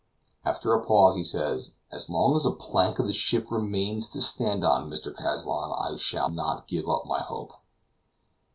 After a pause, he said, "As long as a plank of the ship remains to stand on, Mr. Kazallon, I shall not give up my hope."